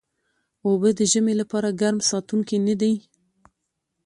اوبه د ژمي لپاره ګرم ساتونکي نه دي